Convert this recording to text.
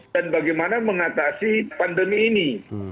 dan bagaimana mengatasi pandemi ini